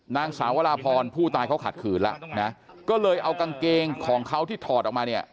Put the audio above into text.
นางสาววราพรผู้ตายเขาขัดขืนแล้วนะก็เลยเอากางเกงของเขาที่ถอดออกมาเนี่ย